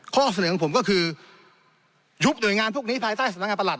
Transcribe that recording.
ข้อเสนอของผมก็คือยุบหน่วยงานพวกนี้ภายใต้สำนักงานประหลั